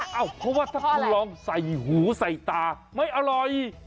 เพราะว่าถ้าคุณลองใส่หูใส่ตาไม่อร่อย